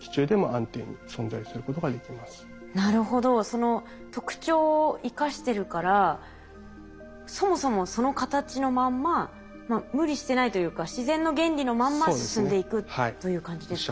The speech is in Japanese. その特徴を生かしてるからそもそもその形のまんま無理してないというか自然の原理のまんま進んでいくという感じですかね。